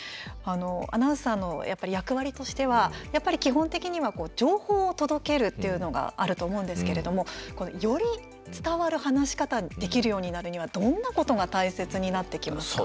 アナウンサーの役割としてはやっぱり基本的には情報を届けるというのがあると思うんですけれどもより伝わる話し方できるようになるにはどんなことが大切になってきますか？